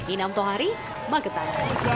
inam tohari magetan